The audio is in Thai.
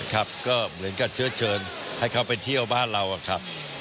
ก็เหมือนกันเชื้อเชิญให้เขาไปเที่ยวบ้านเรา